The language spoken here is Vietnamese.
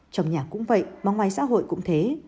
trong nhà cũng vậy mà ngoài xã hội cũng thế